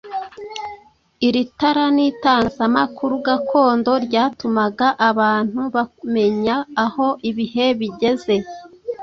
Iri tara n’itangazamakuru gakondo ryatumaga abantu bamenya aho ibihe bigeze,